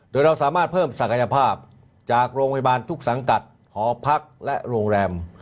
โดยเราสามารถเพิ่มศักยภาพจากโรงพยาบาลทุกสังกัดหอพักและโรงแรม